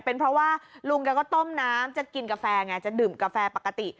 เป็นเพราะว่าลุงแกก็ต้มน้ำจะกินกาแฟไงจะดื่มกาแฟปกติ